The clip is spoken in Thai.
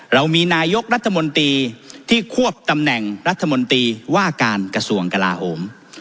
เรามีนายกรัฐมนตรีที่ควบตำแหน่งรัฐมนตรีว่าการกระทรวงกลาโหม